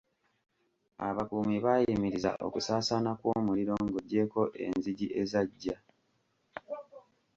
Abakuumi baayimiriza okusaasaana kw'omuliro ng'ogyeko enzigi ezaggya.